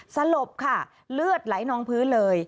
สลบค่ะเลือดไหลนองพื้นเลย